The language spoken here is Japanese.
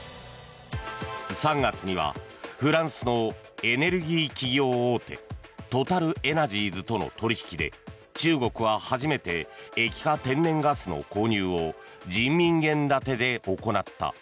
３月にはフランスのエネルギー企業大手トタルエナジーズとの取引で中国は初めて液化天然ガスの購入を人民元建てで行った。